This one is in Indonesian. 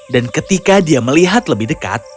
dan ketika dia melihat lebih dekat